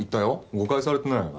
誤解されてないよな？